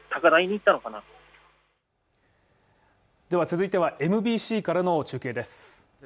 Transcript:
では続いては、ＭＢＣからの中継です。